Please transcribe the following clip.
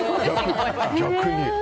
逆に。